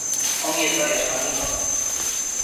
Ongi etorri, aspaldiko!